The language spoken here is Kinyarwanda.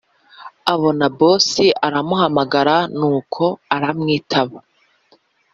abona boss aramuhamagaye nuko aramwitaba